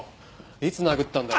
いつ殴ったんだよ。